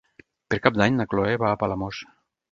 Per Cap d'Any na Chloé va a Palamós.